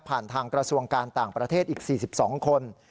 ทางกระทรวงการต่างประเทศอีก๔๒คน